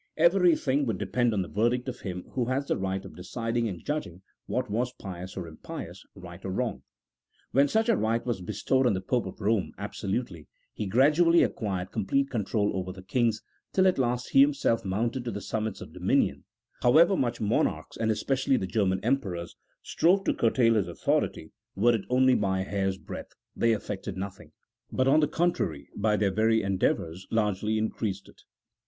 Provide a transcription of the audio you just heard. Everything would depend on the verdict of him who had the right of deciding and judging what was pious or impious, right or wrong. When such a right was bestowed on the Pope of Eome absolutely, he gradually acquired complete control over the kings, till at last he himself mounted to the summits of dominion; however much monarchs, and especially the German emperors, strove to curtail his authority, were it only by a hair's breadth, they effected nothing, but on the contrary by their very endeavours largely increased it.